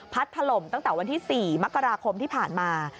ถล่มตั้งแต่วันที่๔มกราคมที่ผ่านมา